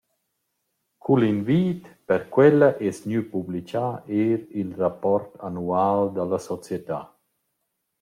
Cul invid per quella es gnü publichà eir il rapport annual da la società.